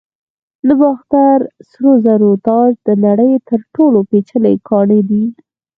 د باختر سرو زرو تاج د نړۍ تر ټولو پیچلي ګاڼې دي